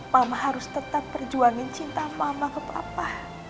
mama harus tetap berjuangin cinta mama ke papa